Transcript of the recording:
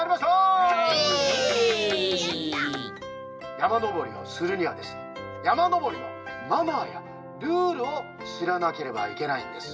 やまのぼりをするにはですねやまのぼりのマナーやルールをしらなければいけないんです。